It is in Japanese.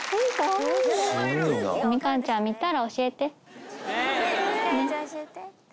みかんちゃん見たら教えて。